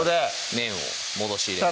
麺を戻し入れます